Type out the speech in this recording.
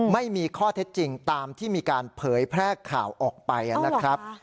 ไม่มีข้อเท็จจริงตามที่มีการเผยแพร่ข่าวออกไปนะครับ